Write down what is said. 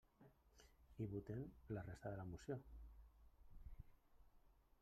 I votem la resta de la moció.